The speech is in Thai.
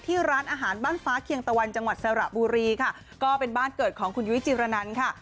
ร้านอาหารบ้านฟ้าเคียงตะวันจังหวัดสระบุรีค่ะก็เป็นบ้านเกิดของคุณยุ้ยจิรนันค่ะ